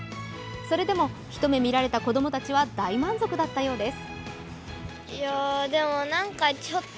それでも、一目見られた子供たちは大満足だったようです。